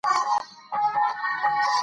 له ژونده بېزاري نور هېڅ هم نه.